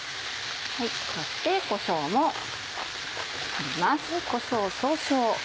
そしてこしょうも入れます。